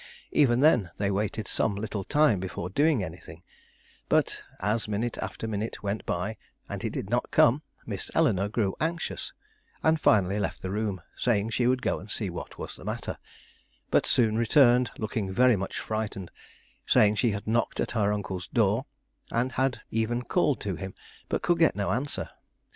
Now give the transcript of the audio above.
Even then they waited some little time before doing anything, but as minute after minute went by and he did not come, Miss Eleanore grew anxious, and finally left the room saying she would go and see what was the matter, but soon returned looking very much frightened, saying she had knocked at her uncle's door, and had even called to him, but could get no answer.